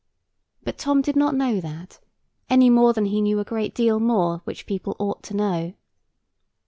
But Tom did not know that, any more than he knew a great deal more which people ought to know.